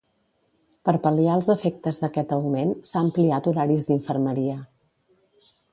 Per pal·liar els efectes d'aquest augment, s'ha ampliat horaris d'infermeria.